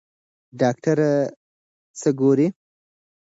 ډاکټره څه ګوري؟